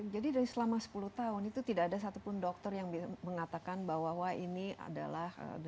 jadi dari selama sepuluh tahun itu tidak ada satupun dokter yang mengatakan bahwa ini adalah